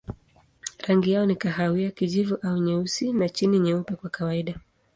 Rangi yao ni kahawia, kijivu au nyeusi na chini nyeupe kwa kawaida.